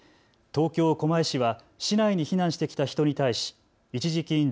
東京狛江市は市内に避難してきた人に対し一時金